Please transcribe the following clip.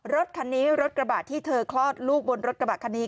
รถคันนี้รถกระบะที่เธอคลอดลูกบนรถกระบะคันนี้